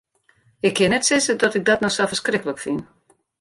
Ik kin net sizze dat ik dat no sa ferskriklik fyn.